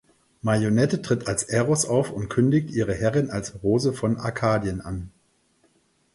Marionette tritt als „Eros“ auf und kündigt ihre Herrin als „Rose von Arkadien“ an.